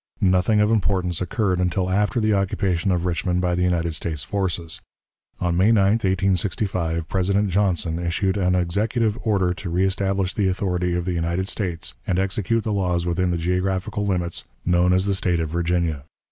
Nothing of importance occurred until after the occupation of Richmond by the United States forces. On May 9, 1865, President Johnson issued an "Executive order to reestablish the authority of the United States, and execute the laws within the geographical limits known as the State of Virginia."